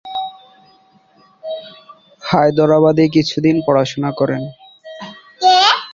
হায়দরাবাদে কিছুদিন পড়াশুনা করেন।